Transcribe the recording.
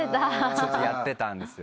ちょっとやってたんです。